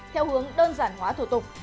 theo hướng đơn giản hóa thủ tục